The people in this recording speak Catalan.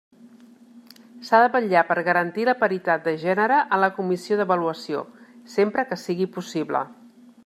S'ha de vetllar per garantir la paritat de gènere en la Comissió d'Avaluació, sempre que sigui possible.